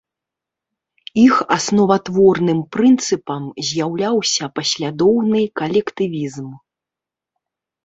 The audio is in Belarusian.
Іх асноватворным прынцыпам з'яўляўся паслядоўны калектывізм.